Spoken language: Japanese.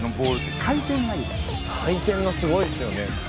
回転がすごいですよね。